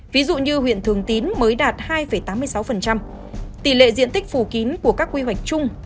ví dụ như huyện thường tín mới đạt hai tám mươi sáu tỷ lệ diện tích phù kín của các quy hoạch chung